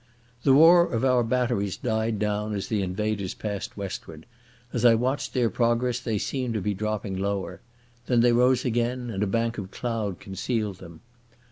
The roar of our batteries died down as the invaders passed westward. As I watched their progress they seemed to be dropping lower. Then they rose again and a bank of cloud concealed them.